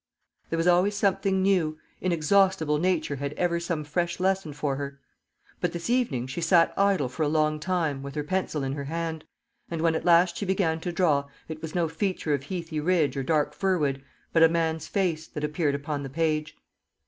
There was always something new; inexhaustible Nature had ever some fresh lesson for her. But this evening she sat idle for a long time, with her pencil in her hand; and when at last she began to draw, it was no feature of heathy ridge or dark firwood, but a man's face, that appeared upon the page.